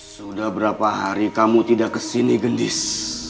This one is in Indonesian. sudah berapa hari kamu tidak ke sini gendis